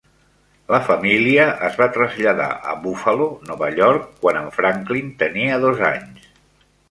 La família es va traslladar a Buffalo (Nova York) quan en Franklin tenia dos anys.